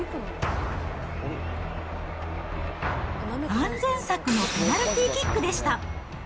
安全策のペナルティーキックでした。